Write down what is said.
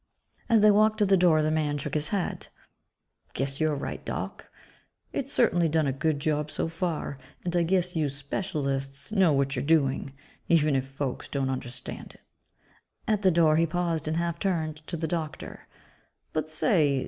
As they walked to the door, the man shook his head, "Guess you're right, Doc. It's certainly done a good job so far, and I guess you specialists know what you're doing, even if folks don't understand it." At the door he paused and half turned to the doctor, "But say